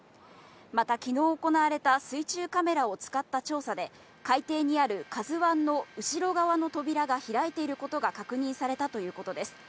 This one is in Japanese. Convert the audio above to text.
また、昨日行われた水中カメラを使った調査で、海底にある「ＫＡＺＵ１」の後ろ側の扉が開いていることが確認されたということです。